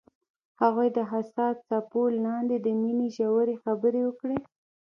هغوی د حساس څپو لاندې د مینې ژورې خبرې وکړې.